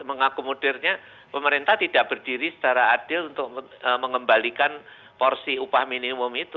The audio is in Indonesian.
mengakomodirnya pemerintah tidak berdiri secara adil untuk mengembalikan porsi upah minimum itu